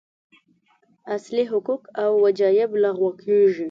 اصلي حقوق او وجایب لغوه کېږي.